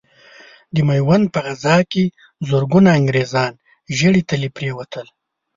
د ميوند په غزا کې زرګونه انګرېزان ژړې تلې پرې وتل.